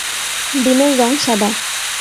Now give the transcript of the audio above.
ডিমের রং সাদা।